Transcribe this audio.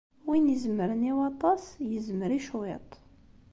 Win izemren i waṭas, yezmer i cwiṭ.